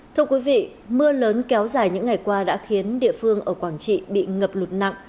thưa quý vị mưa lớn kéo dài những ngày qua đã khiến địa phương ở quảng trị bị ngập lụt nặng